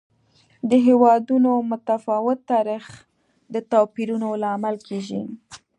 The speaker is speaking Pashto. د هېوادونو متفاوت تاریخ د توپیرونو لامل کېږي.